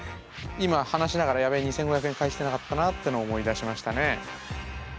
今話しながら「やべぇ２，５００円返してなかったな」ってのを思い出しましたね。